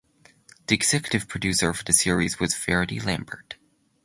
The executive producer for the series was Verity Lambert.